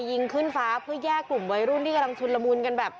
ยิงขึ้นฟ้าเพื่อแยกกลุ่มวัยรุ่นที่กำลังชุนละมุนกันแบบ